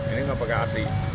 ini nggak pakai asli